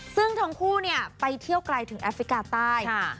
ซึ่งทั้งคู่เนี่ยไปเที่ยวไกลถึงแอฟริกาใต้